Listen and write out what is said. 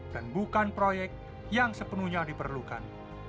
dan bukan proyek yang sepenuhnya diperlukan